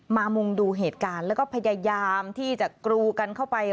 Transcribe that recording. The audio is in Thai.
มุงดูเหตุการณ์แล้วก็พยายามที่จะกรูกันเข้าไป